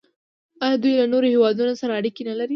آیا دوی له نورو هیوادونو سره اړیکې نلري؟